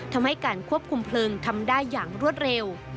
ทำให้การควบคุมเพลิงทำได้อย่างรวดเร็ว